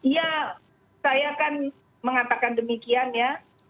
ya saya kan mengatakan demikian ya